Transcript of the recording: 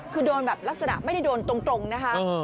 คือโดนแบบลักษณะไม่ได้โดนตรงนะคะ